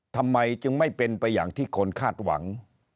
ทำไมจึงไม่เป็นไปอย่างที่คนคาดหวัง